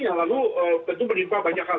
ya lalu tentu menimpa banyak hal